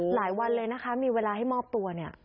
หลายวันเลยนะคะมีเวลาให้มอบตัวเนี่ย